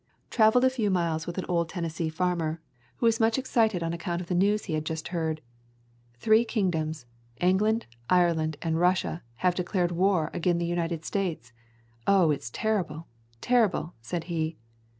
Traveled a few miles with an old Tennessee farmer who was much excited on account of the [ 19 ] A Thousand Mile Walk news he had just heard. "Three kingdoms, England, Ireland, and Russia, have declared war agin the United States. Oh, it's terrible, terrible," said he.